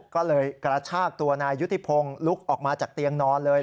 ก็เลยกระชากตัวนายยุติพงศ์ลุกออกมาจากเตียงนอนเลย